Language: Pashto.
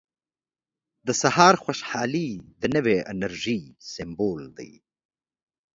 • د سهار خوشحالي د نوې انرژۍ سمبول دی.